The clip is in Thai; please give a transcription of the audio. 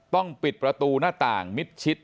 ต้องปิดประตูหน้าต่างมิดชิด